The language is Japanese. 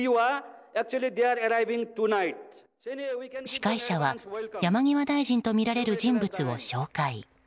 司会者は山際大臣とみられる人物を紹介。